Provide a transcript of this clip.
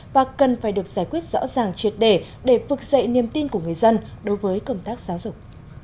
và cần phải được giải quyết rõ ràng triệt để để vực dậy niềm tin của người dân đối với công tác giáo dục